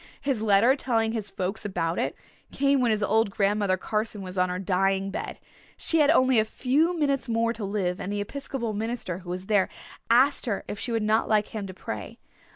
His letter, telling his folks about it, came when his old Grandmother Carson was on her dying bed. She had only a few minutes more to live and the Episcopal minister, who was there, asked her if she would not like him to pray.